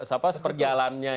atau sejauh mana